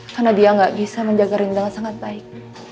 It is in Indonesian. karena dia gak bisa menjaga rina dengan sangat baik